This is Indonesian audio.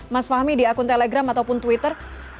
mas fahmi di akun telegram ataupun twitter